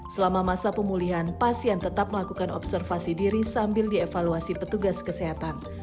selama masa pemulihan pasien tetap melakukan observasi diri sambil dievaluasi petugas kesehatan